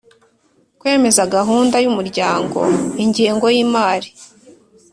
Kwemeza gahunda y umuryango ingengo y imari